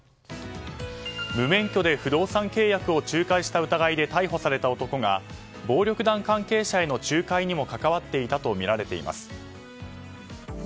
無免許で不動産契約を仲介した疑いで逮捕された男が暴力団関係者への仲介にも関わっていたとみられています。